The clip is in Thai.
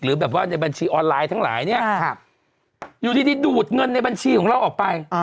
แบบว่าในบัญชีออนไลน์ทั้งหลายเนี่ยอยู่ดีดูดเงินในบัญชีของเราออกไป